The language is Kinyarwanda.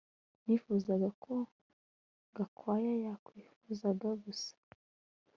Nifuzaga ko Gakwaya yakwifunga gusa